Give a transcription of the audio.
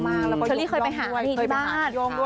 เชอรี่เคยไปหาที่บ้าน